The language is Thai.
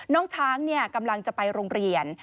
น้องช้างกำลังจะไปโรงเรียน